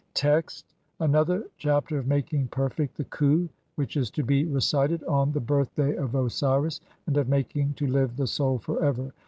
Text : (1) Another Chapter of making perfect the Khu, WHICH IS [TO BE RECITED ON] THE BIRTHDAY OF OSIRIS, AND OF MAKING TO LIVE THE SOUL FOR EVER.